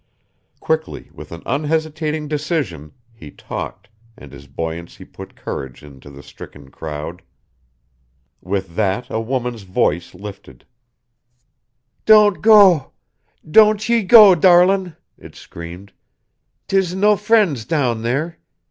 Quickly, with an unhesitating decision, he talked, and his buoyancy put courage in to the stricken crowd. With that a woman's voice lifted. "Don't go don't ye go, darlin'," it screamed. "'Tis no frinds down there.